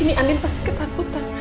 ini andin pasti ketakutan